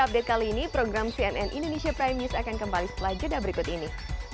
update kali ini program cnn indonesia prime news akan kembali setelah jeda berikut ini